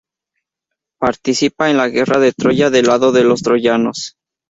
Participa en la guerra de Troya del lado de los troyanos.